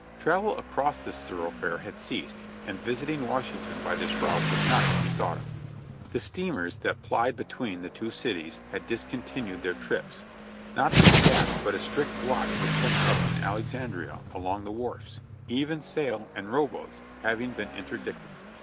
Travel across this thoroughfare had ceased and visiting ^^^ashington by this route was not to be thought of. The steamers that plied between the two cities had discontin ued their trips ; not only that, but a strict watch was kept up in Alexandria along the wharves, even sail and row boats having been interdicted.